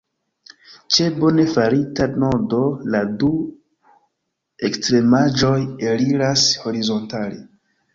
Ĉe bone farita nodo la du ekstremaĵoj eliras horizontale.